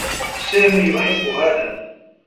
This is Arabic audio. سامي يحبّ هذا.